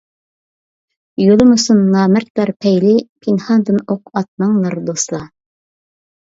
يولىمىسۇن نامەردلەر پەيلى، پىنھاندىن ئوق ئاتماڭلار دوستلا.